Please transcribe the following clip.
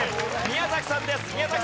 宮崎さんです。